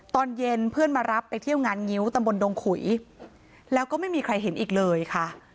ตอนเย็นเพื่อนมารับไปเที่ยวงานงิ้วตำบลดงขุยแล้วก็ไม่มีใครเห็นอีกเลยค่ะ